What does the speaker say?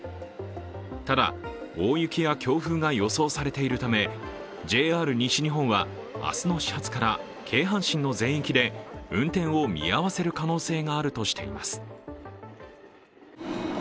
ただ、大雪や強風が予想されているため、ＪＲ西日本は明日の始発から京阪神の全域で運転を見合わせる可能性があるとしています。